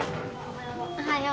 おはよう。